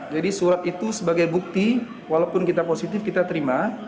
jadi surat itu sebagai bukti walaupun kita positif kita terima